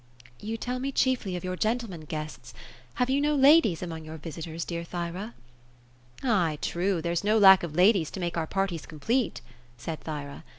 '* You tell me chiefly of your gentlemen guests ; have you no ladies among your visitors, dear Thyra ?"" Ay, truly, there's no lack of ladies to make our parties complete ;" said Thyra.